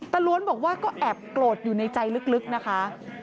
ล้วนบอกว่าก็แอบโกรธอยู่ในใจลึกนะคะ